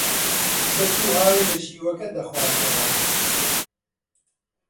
دەچوو ئاوی لە شیوەکە دەخواردەوە